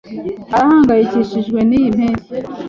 Arahangayikishijwe niyi mpeshyi